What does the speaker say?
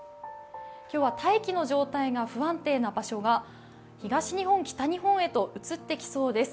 今日は大気の状態が不安定な場所が東日本、北日本へと移ってきそうです。